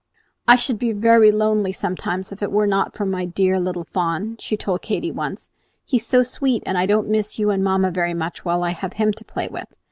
"I should be very lonely sometimes if it were not for my dear little fawn," she told Katy once. "He is so sweet that I don't miss you and mamma very much while I have him to play with.